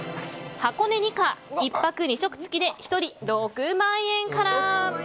１泊２食付きで１人６万円から。